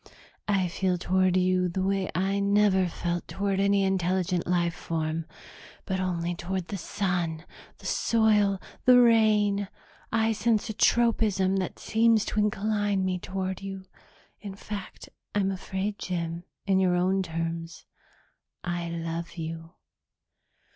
"I feel toward you the way I never felt toward any intelligent life form, but only toward the sun, the soil, the rain. I sense a tropism that seems to incline me toward you. In fact, I'm afraid, Jim, in your own terms, I love you."